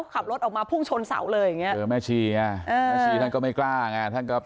ขับรถออกมาพุ่งชนเสาเลยอย่างเงี้เออแม่ชีไงอ่าแม่ชีท่านก็ไม่กล้าไงท่านก็